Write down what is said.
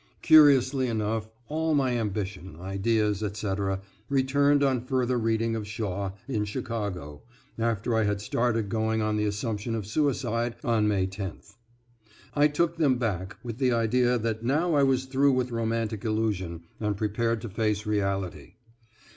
Curiously enough, all my ambition, ideas, etc., returned on further reading of Shaw in Chicago, after I had started going on the assumption of suicide on May 10th. I took them back, with the idea that now I was through with romantic illusion and prepared to face reality.